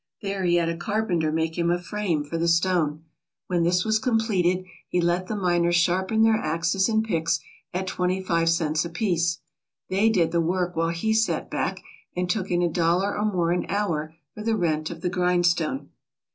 There he had a carpenter make him a frame for the stone. When this was com pleted he let the miners sharpen their axes and picks at twenty five cents apiece. They did the work while he sat back and took in a dollar or more an hour for the rent of the grindstone.